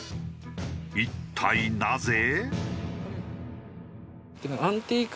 一体なぜ？